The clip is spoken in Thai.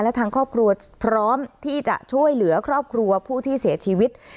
และทางครอบครัวพร้อมที่จะช่วยเหลือครอบครัวผู้ที่เสียชีวิต